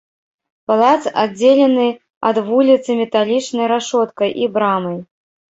Палац аддзелены ад вуліцы металічнай рашоткай і брамай.